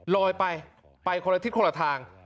ลอยไปไปคนละทิศคนละทาง